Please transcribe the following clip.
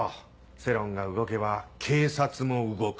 世論が動けば警察も動く。